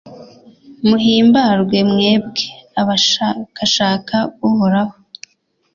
muhimbarwe mwebwe abashakashaka Uhoraho